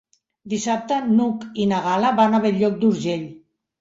Dissabte n'Hug i na Gal·la van a Bell-lloc d'Urgell.